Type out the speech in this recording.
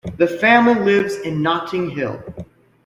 The family lives in Notting Hill.